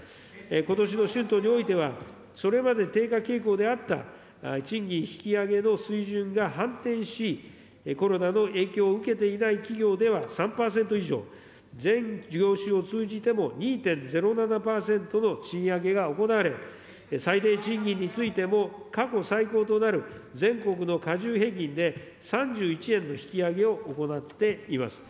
ことしの春闘においては、それまで低下傾向であった賃金引き上げの水準が反転し、コロナの影響を受けていない企業では３％以上、全業種を通じても２．０７％の賃上げが行われ、最低賃金についても、過去最高となる全国の加重平均で３１円の引き上げを行っています。